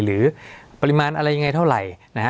หรือปริมาณอะไรยังไงเท่าไหร่นะฮะ